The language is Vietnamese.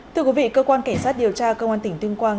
thưa quý vị cơ quan cảnh sát điều tra công an tỉnh tương quang